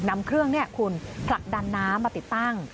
นำเครื่องผลักดันน้ำมาติดตั้ง